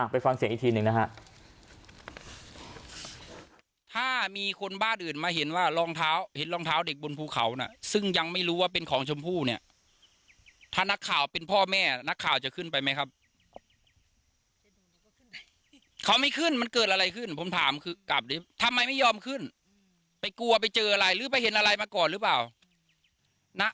ไปฟังเสียงอีกทีหนึ่งนะฮะ